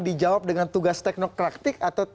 dijawab dengan tugas teknokraktik atau